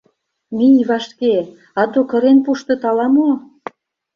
— Мий вашке, а то кырен пуштыт ала-мо!